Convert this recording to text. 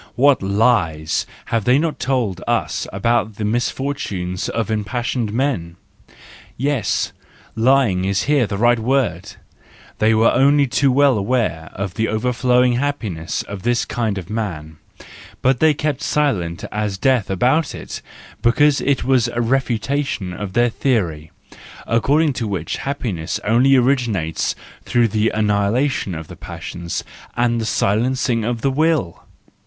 What lies have they not told us about the misfortunes of impassioned men ! Yes, lying is here the right word: they were only too well aware of the overflowing happiness of this kind of man, but they kept silent as death about it; because it was a refutation of their theory, according to which happiness only originates through the annihilation of the passions and the silencing of the will!